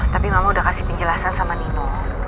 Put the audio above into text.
tapi mama udah kasih penjelasan sama nino